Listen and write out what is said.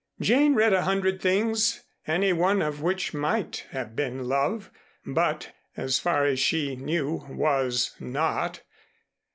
Jane read a hundred things any one of which might have been love, but, as far as she knew, was not.